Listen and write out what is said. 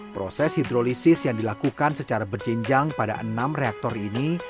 proses hidrolisis yang dilakukan secara berjenjang pada enam reaktor ini